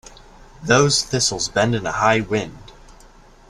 Those thistles bend in a high wind.